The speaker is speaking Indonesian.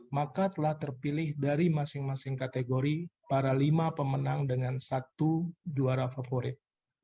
maka telah terpilih dari masing masing kategori para lima pemenang dengan satu juara favorit